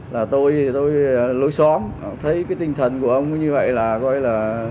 là tôi lối xóm thấy cái tinh thần của ông ấy như vậy là coi là